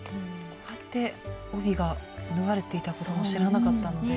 こうやって帯が縫われていたことも知らなかったので。